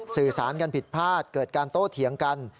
สื่อสารกันผิดพลาดเกิดการโต้เถียงกัน